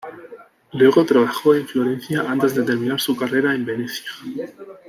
Luego trabajó en Florencia antes de terminar su carrera en Venecia.